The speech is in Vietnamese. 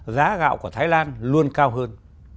giá gạo của thái lan luôn cao hơn